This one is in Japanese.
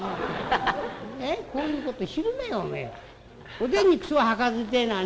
おでんに靴を履かずってえのはね